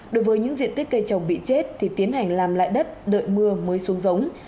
đối với những diện tích cây trồng bị chết thì tiến hành làm lại đất đợi mưa mới xuống giống